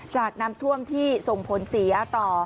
จากน้ำท่วมที่ส่งผลเสียต่อ